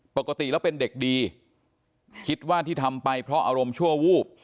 ปกติแล้วเป็นเด็กดีคิดว่าที่ทำไปเพราะอารมณ์ชั่ววูบ